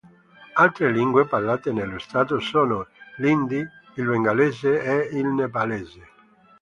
Altre lingue parlate nello Stato sono l'Hindi, il Bengalese e il Nepalese.